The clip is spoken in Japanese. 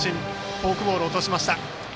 フォークボールを落としました。